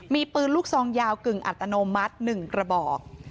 มีปืนลูกซองยาวกึ่งอัตโนมัติ๑กระบอก